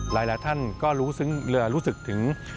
หลายท่านก็รู้สึกถึง